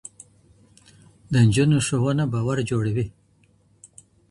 د نجونو ښوونه باور جوړوي.